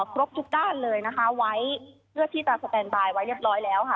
ครบทุกด้านเลยนะคะไว้เพื่อที่จะสแตนบายไว้เรียบร้อยแล้วค่ะ